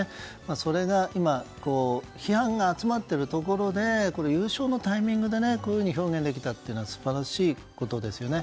それが今批判が集まっているところで優勝のタイミングでこういうふうに表現できたというのは素晴らしいことですよね。